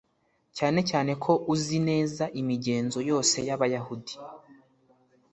cyane cyane ko uzi neza imigenzo yose y abayahudi